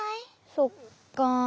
そっか。